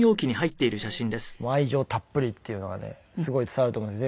愛情たっぷりっていうのがねすごい伝わると思います。